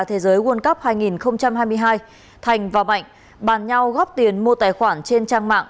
thế giới world cup hai nghìn hai mươi hai thành và mạnh bàn nhau góp tiền mua tài khoản trên trang mạng